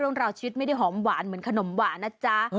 เรื่องราวชีวิตไม่ได้หอมหวานเหมือนขนมหวานนะจ๊ะ